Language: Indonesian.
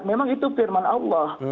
memang itu firman allah